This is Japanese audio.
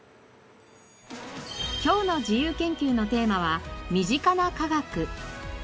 今日の自由研究のテーマは「身近な科学」。